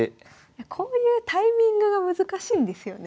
こういうタイミングが難しいんですよね。